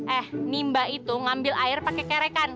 eh nimba itu ngambil air pakai kerekan